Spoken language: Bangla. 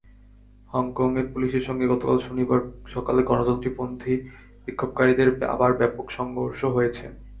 হংকংয়ে পুলিশের সঙ্গে গতকাল শনিবার সকালে গণতন্ত্রপন্থী বিক্ষোভকারীদের আবার ব্যাপক সংঘর্ষ হয়েছে।